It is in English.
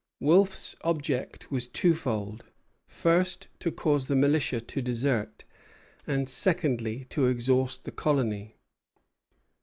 Wolfe's object was twofold: first, to cause the militia to desert, and, secondly, to exhaust the colony.